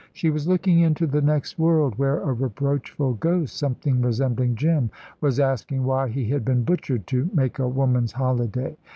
She was looking into the next world, where a reproachful ghost, something resembling Jim, was asking why he had been butchered to make a woman's holiday.